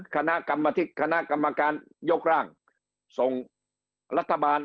คณะกรรมการยกร่างส่งรัฐบาล